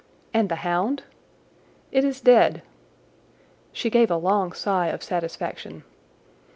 "And the hound?" "It is dead." She gave a long sigh of satisfaction.